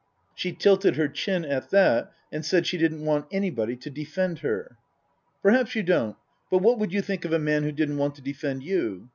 She tilted her chin at that and said she didn't want any body to defend her. " Perhaps you don't, but what would you think of a man who didn't want to defend you